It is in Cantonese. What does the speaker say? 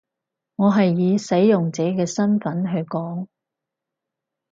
我係以使用者嘅身分去講